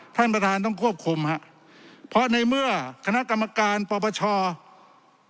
ท่านประธานต้องควบคุมฮะเพราะในเมื่อคณะกรรมการปปช